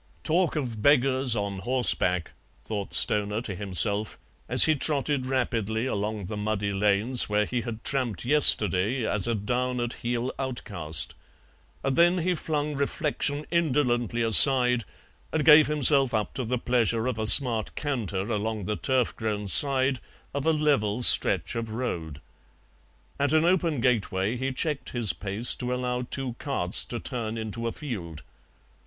"Talk of beggars on horseback," thought Stoner to himself, as he trotted rapidly along the muddy lanes where he had tramped yesterday as a down at heel outcast; and then he flung reflection indolently aside and gave himself up to the pleasure of a smart canter along the turf grown side of a level stretch of road. At an open gateway he checked his pace to allow two carts to turn into a field.